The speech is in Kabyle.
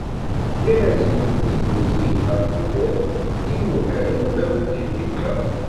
Gar-asen timsikniyin ɣef tudert d yimuhal n bab n tejmilt-a.